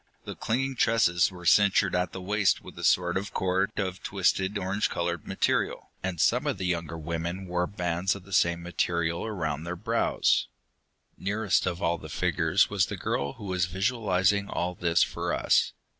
The clinging tresses were cinctured at the waist with a sort of cord of twisted orange colored material, and some of the younger women wore bands of the same material around their brows. Nearest of all the figures was the girl who was visualizing all this for us.